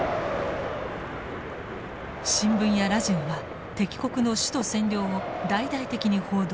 新聞やラジオは敵国の首都占領を大々的に報道。